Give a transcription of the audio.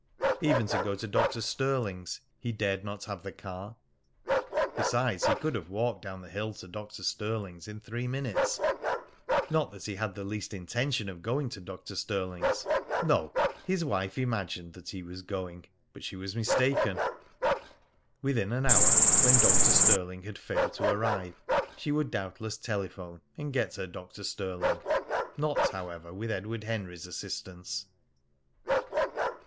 Even to go to Dr. Stirling's he dared not have the car. Besides, he could have walked down the hill to Dr. Stirling's in three minutes. Not that he had the least intention of going to Dr. Stirling's. No! His wife imagined that he was going; but she was mistaken. Within an hour, when Dr. Stirling had failed to arrive, she would doubtless telephone, and get her Dr. Stirling. Not, however, with Edward Henry's assistance!